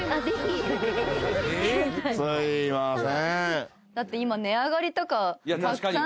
すいません。